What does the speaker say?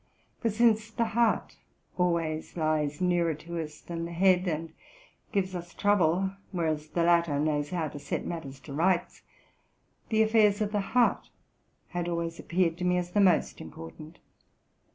For since the heart always lies nearer to us than the head, and gives us trouble, whereas the latter knows how to set matters to rights, the affairs of the heart had always appeared to me as the most important.